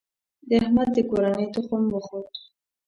د احمد د کورنۍ تخم وخوت.